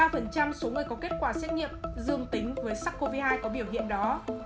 bảy mươi ba số người có kết quả xét nghiệm dương tính với sắc covid một mươi chín có biểu hiện đó